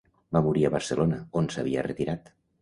Va morir a Barcelona, on s'havia retirat.